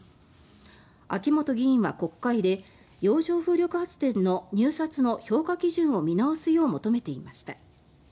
秋本議員は国会で洋上風力発電の入札の評価基準を見直すよう求めていました。